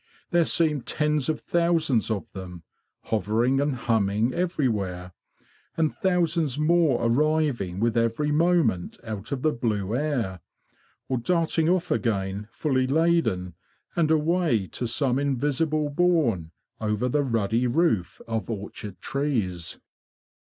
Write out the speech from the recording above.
There seemed tens of thousands of them, hovering and humming every where; and thousands more arriving with every moment out of the blue air, or darting off again fully laden, and away to some invisible bourne over the ruddy roof of orchard trees.